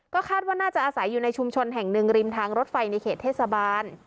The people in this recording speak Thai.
ก็คาดว่าน่าจะอาศัยอยู่ในชุมชนแห่งหนึ่งริมทางรถไฟในเขตเทศบาล